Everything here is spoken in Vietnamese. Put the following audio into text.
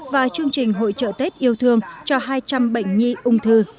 và chương trình hội trợ tết yêu thương cho hai trăm linh bệnh nhi ung thư